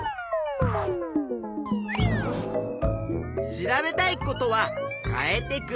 調べたいことは変えて比べる。